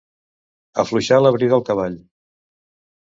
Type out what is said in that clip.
Afluixar la brida al cavall.